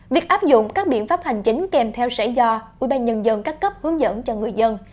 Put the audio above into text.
việc áp dụng các biện pháp hành chính kèm theo sẽ do ubnd các cấp hướng dẫn cho người dân